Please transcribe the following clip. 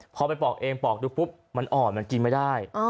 พอไปปอกเองปอกดูปุ๊บมันอ่อนมันกินไม่ได้